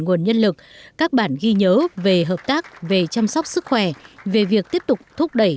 nguồn nhân lực các bản ghi nhớ về hợp tác về chăm sóc sức khỏe về việc tiếp tục thúc đẩy